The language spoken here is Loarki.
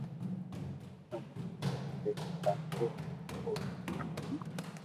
امو رو سر فيس لآيتو پسو او ئيئو مون